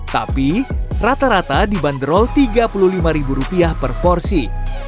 tapi rata rata dibanderol rp tiga puluh lima per porsi